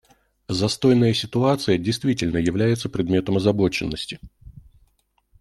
Застойная ситуация действительно является предметом озабоченности.